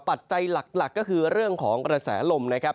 ปัจจัยหลักก็คือเรื่องของกระแสลมนะครับ